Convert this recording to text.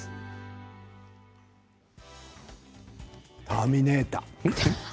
「ターミネーター」。